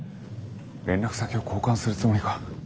連絡先を交換するつもりか。